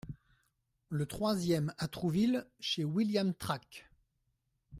Le troisième, à Trouville, chez William Track.